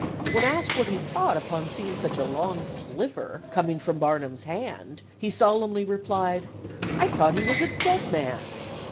When asked what he thought upon seeing such a long 'sliver' coming from Barnum's hand, he solemnly replied, 'I thought he was a dead man!